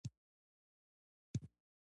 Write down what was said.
په معاصره شاعرۍ کې له کلاسيکې شاعرۍ سره